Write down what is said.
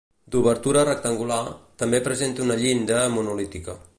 D'obertura rectangular, també presenta una llinda monolítica.